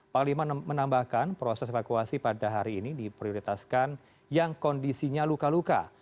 panglima menambahkan proses evakuasi pada hari ini diprioritaskan yang kondisinya luka luka